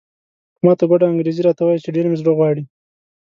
په ماته ګوډه انګریزي راته وایي چې ډېر مې زړه غواړي.